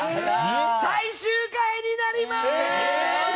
最終回になります！